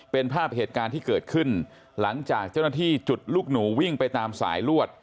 เป็นภาพเหตุการณ์ที่เกิดขึ้นหลังจากเจ้าหน้าที่จุดลูกหนูวิ่งไปตามสายลวด